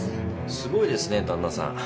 すごいですね旦那さん。